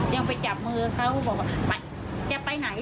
ยังไปจับมือเขาบอกว่าจะไปไหน